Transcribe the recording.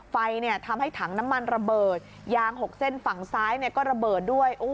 ไฟทำให้ถังน้ำมันระเบิดยาง๖เส้นฝั่งซ้ายก็ระเบิดด้วย